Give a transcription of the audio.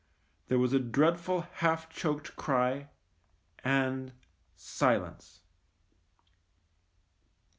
There was a dreadful half choked cry and — silence.